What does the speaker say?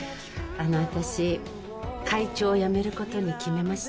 あの私会長を辞めることに決めました。